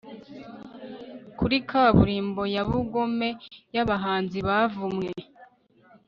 Kuri kaburimbo yubugome yabahanzi bavumwe